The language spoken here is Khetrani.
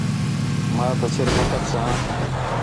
ماں تا سِر فخر ساں